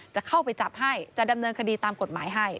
จะเข้าไปจับให้จะดำเนินคดีตามกฎหมายให้